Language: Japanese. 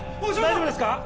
大丈夫ですか？